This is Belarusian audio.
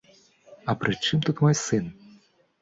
А пры чым тут мой сын?